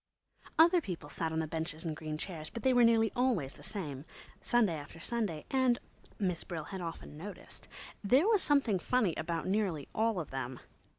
Other people sat on the benches and green chairs, but they were nearly always the same, Sunday after Sunday, and—Miss Brill had often noticed—there was something funny about nearly all of them.